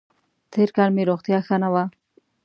تېر کال مې روغتیا ښه نه وه